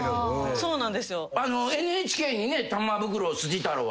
そうなんですよね。